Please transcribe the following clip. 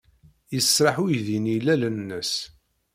Yesraḥ uydi-nni ilalen-nnes.